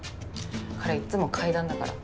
彼いっつも階段だから。